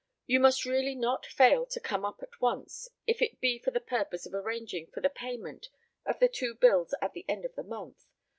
You must really not fail to come up at once, if it be for the purpose of arranging for the payment of the two bills at the end of the month.